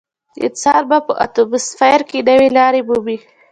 انسان به په اتموسفیر کې نوې لارې مومي.